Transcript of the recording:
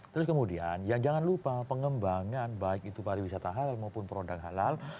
terus kemudian yang jangan lupa pengembangan baik itu pariwisata halal maupun produk halal